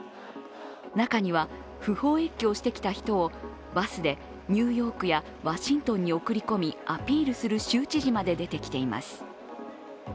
中には、不法越境してきた人をバスでニューヨークやワシントンに送り込みアピールする州知事まで出てきています。